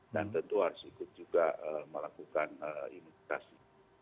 dan tentu harus ikut juga melakukan imunisasi